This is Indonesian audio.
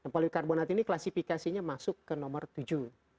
polikarbonat ini klasifikasinya masuk ke nomor tujuh